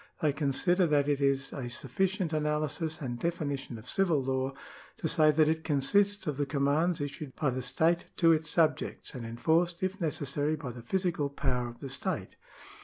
They consider that it is a sufficient analysis and definition of civil law, to siy that it consists of the commands issued by the state to its subjects, and enforced, if necessary, by the physical power of the state.